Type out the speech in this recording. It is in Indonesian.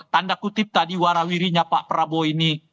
tanda kutip tadi warawirinya pak prabowo ini